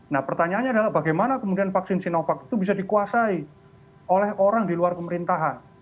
nah pertanyaannya adalah bagaimana kemudian vaksin sinovac itu bisa dikuasai oleh orang di luar pemerintahan